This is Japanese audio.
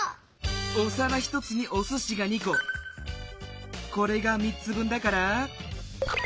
おさら１つにおすしが２ここれが３つ分だから。